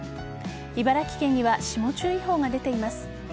茨城県には霜注意報が出ています。